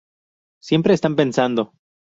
Siempre están pensando.